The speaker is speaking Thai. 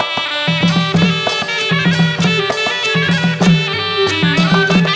วู้วู้วู้